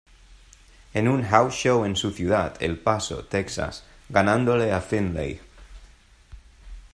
En un "House Show" en su ciudad, El Paso, Texas, ganándole a Finlay.